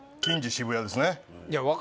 渋谷ですね